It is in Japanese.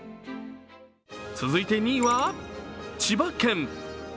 続いて、２位は千葉県。